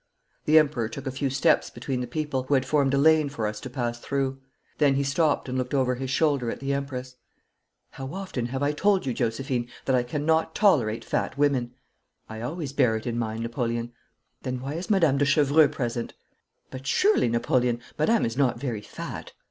The Emperor took a few steps between the people, who had formed a lane for us to pass through. Then he stopped and looked over his shoulder at the Empress. 'How often have I told you, Josephine, that I cannot tolerate fat women.' 'I always bear it in mind, Napoleon.' 'Then why is Madame de Chevreux present?' 'But surely, Napoleon, madame is not very fat.'